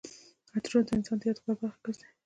عطرونه د انسان د یادګار برخه ګرځي.